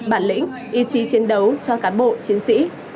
bản lĩnh ý chí chiến đấu cho cán bộ chiến sĩ